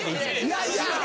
いやいや。